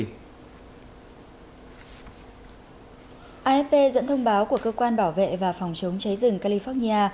các báo của cơ quan bảo vệ và phòng chống cháy rừng california